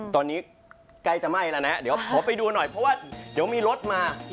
ตอนนี้ใกล้จะไหม้แล้วนะเดี๋ยวขอไปดูหน่อยเพราะว่าเดี๋ยวมีรถมา